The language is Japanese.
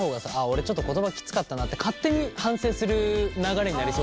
俺ちょっと言葉きつかったなって勝手に反省する流れになりそうじゃない？